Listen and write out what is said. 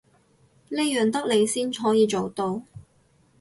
呢樣得你先可以做到